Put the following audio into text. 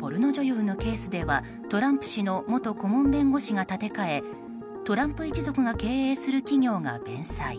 ポルノ女優のケースではトランプ氏の元顧問弁護士が立て替えトランプ一族が経営する企業が弁済。